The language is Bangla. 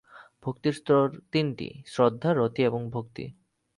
ভক্তির স্তর তিনটি শ্রদ্ধা, রতি এবং ভক্তি।